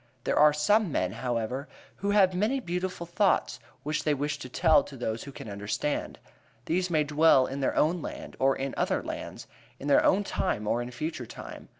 There are some men, however, who have many beautiful thoughts which they wish to tell to those who can understand; these may dwell in their own land or in other lands; in their own time or in future time.